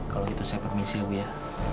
kalau gitu saya permisi ibu ya